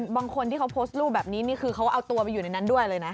บางคนที่เขาโพสต์รูปแบบนี้นี่คือเขาเอาตัวไปอยู่ในนั้นด้วยเลยนะ